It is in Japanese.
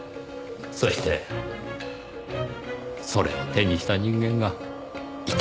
そしてそれを手にした人間がいたんです。